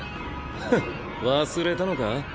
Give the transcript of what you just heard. はっ忘れたのか？